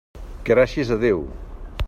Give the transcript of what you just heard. Gràcies a Déu.